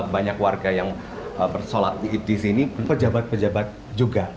banyak warga yang bersolat di sini pejabat pejabat juga